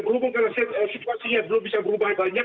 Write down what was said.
berhubung karena situasinya belum bisa berubah banyak